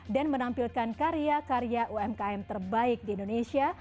dan menampilkan karya karya umkm terbaik di indonesia